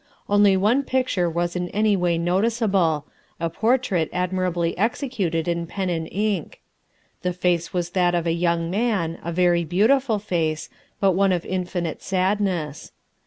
Only one picture was in any way noticeable, a portrait admirably executed in pen and ink. The face was that of a young man, a very beautiful face, but one of infinite sadness.